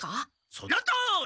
そのとおり！